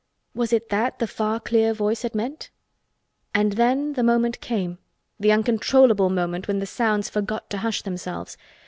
Was it that the far clear voice had meant? And then the moment came, the uncontrollable moment when the sounds forgot to hush themselves.